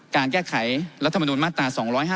การแก้ไขรัฐมนุนมาตรา๒๕๖